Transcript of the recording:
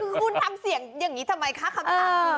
คุณทำเสียงอย่างนี้ทำไมคะคำถาม